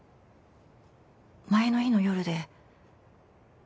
前の日の夜で。